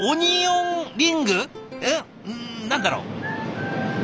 何だろう。